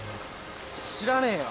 知らねえよ。